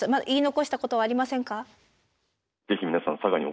言い残したことはありませんか？